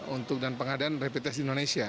untuk dan pengadaan rapid test di indonesia